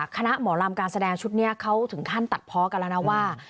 คณะหมอลำการแสดงชุดนี้เขาถึงขั้นตัดเพาะกันแล้วนะว่า